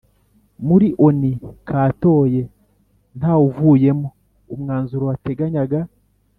Muri onu katoye ntawuvuyemo umwanzuro wateganyaga